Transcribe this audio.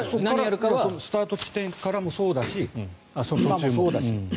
スタート地点からもそうだしそこからもそうだし。